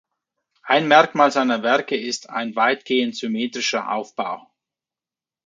Ein Merkmal seiner Werke ist ein weitgehend symmetrischer Aufbau.